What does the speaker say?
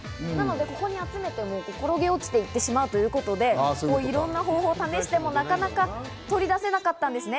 ここで集めても転げ落ちていってしまうということで、いろんな方法を試しても、なかなか取り出せなかったんですね。